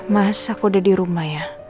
mas aku udah dirumah ya